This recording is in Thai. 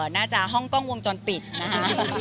น่าจะห้องกล้องวงจรปิดนะคะ